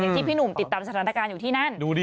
ที่พี่หนุ่มติดตามสถานการณ์อยู่ที่นั่น